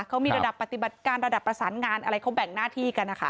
เขามีระดับปฏิบัติการระดับประสานงานอะไรเขาแบ่งหน้าที่กันนะคะ